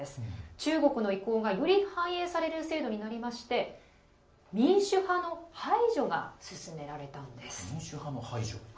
中国の意向がより反映される制度になりまして民主派の排除が進められたんです。